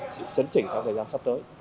sự chấn chỉnh trong thời gian sắp tới